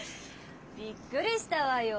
びっくりしたわよ。